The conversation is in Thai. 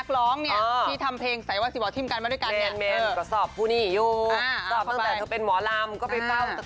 คือไปถามเพลง